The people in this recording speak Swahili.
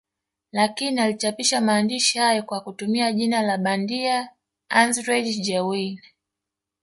Lakini alichapisha maandishi hayo kwa kutumia jina la bandia Andrzej Jawien